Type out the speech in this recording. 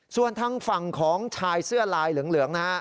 ส่วนทางฝั่งของชายเสื้อลายเหลืองนะฮะ